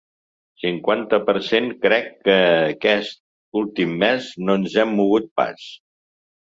Cinquanta per cent Crec que aquest últim mes no ens hem mogut pas.